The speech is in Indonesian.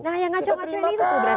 nah yang ngaco ngacoin itu berarti bapak